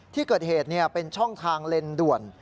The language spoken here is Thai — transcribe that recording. ที่เกิดเหตุเป็นช่องทางเลนด่วน